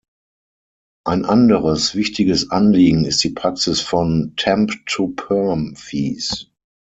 Ein anderes wichtiges Anliegen ist die Praxis von "temp-to-perm fees".